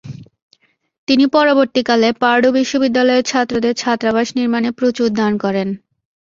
তিনি পরবর্তী কালে পার্ডু বিশ্ববিদ্যালয়ের ছাত্রদের ছাত্রাবাস নির্মাণে প্রচুর দান করেন।